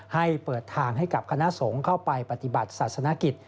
ให้เปิดทางให้กับคณะสงฆ์เข้าไปปฏิบัติศาสนกิจ